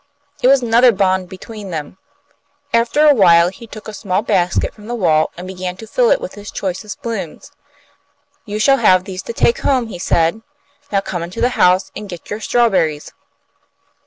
It was another bond between them. After awhile he took a small basket from the wall, and began to fill it with his choicest blooms. "You shall have these to take home," he said. "Now come into the house and get your strawberries."